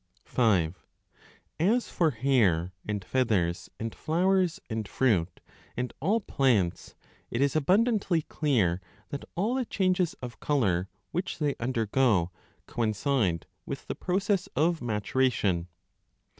5 As for hair and feathers and flowers and fruit and all plants, it is abundantly clear that all the changes of colour which they undergo coincide with the process of maturation.